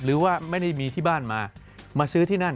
หรือว่าไม่ได้มีที่บ้านมามาซื้อที่นั่น